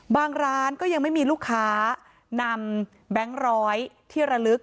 ร้านก็ยังไม่มีลูกค้านำแบงค์ร้อยที่ระลึก